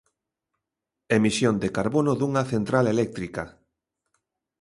Emisión de carbono dunha central eléctrica.